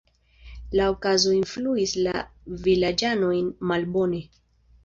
La okazo influis la vilaĝanojn malbone.